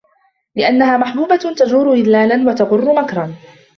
لِأَنَّهَا مَحْبُوبَةٌ تَجُورُ إدْلَالًا وَتَغُرُّ مَكْرًا